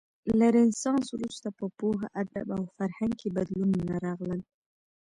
له رنسانس وروسته په پوهه، ادب او فرهنګ کې بدلونونه راغلل.